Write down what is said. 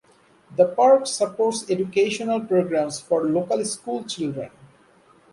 The park supports educational programs for local school children.